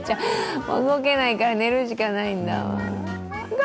動けないから寝るしかないんだ。